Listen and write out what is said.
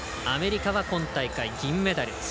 アメリカは今大会、銀メダル。